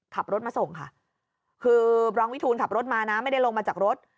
ขับรถมาส่งค่ะคือรองวิทูลขับรถมานะไม่ได้ลงมาจากรถ